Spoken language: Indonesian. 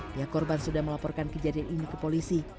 pihak korban sudah melaporkan kejadian ini ke polisi